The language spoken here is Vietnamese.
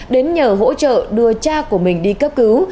đến nhờ hỗ trợ đưa cha của mình đi cấp cứu